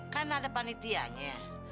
kan ada panitianya